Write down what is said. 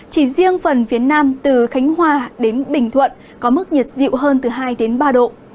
chỉ riêng phần phía nam từ khánh hòa đến bình thuận có mức nhiệt dịu hơn từ hai đến ba độ